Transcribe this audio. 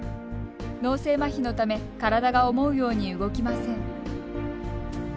脳性まひのため体が思うように動きません。